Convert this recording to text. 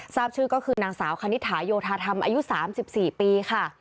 ทราบชื่อก็คือนางสาวคณิตถาโยธาธรรมอายุ๓๔ปีค่ะ